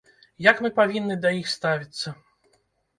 Як мы павінны да іх ставіцца?